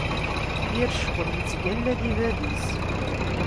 Yir ccɣel ittgalla di bab-is.